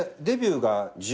デビューが。